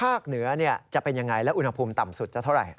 ภาคเหนือจะเป็นอย่างไรแล้วอุณหภูมิต่ำสุดจะเท่าไร